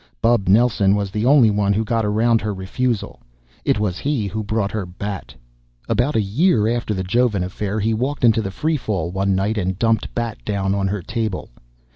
Bub Nelson was the only one who got around her refusal. It was he who brought her Bat. About a year after the Jovan affair he walked into the Free Fall one night and dumped Bat down on her table.